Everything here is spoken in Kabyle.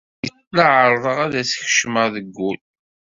La ɛerrḍeɣ ad as-kecmeɣ deg wul.